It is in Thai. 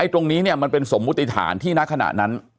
ตรงนี้มันเป็นสมมุติฐานที่ณขณะนั้น